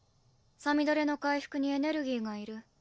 さみだれの回復にエネルギーがいる。